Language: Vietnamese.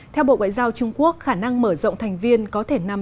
theo bộ ngoại giao trung quốc khả năng mở rộng thành viên có thể nằm